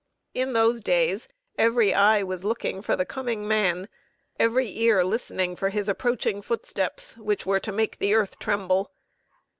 In those days, every eye was looking for the Coming Man, every ear listening for his approaching footsteps, which were to make the earth tremble.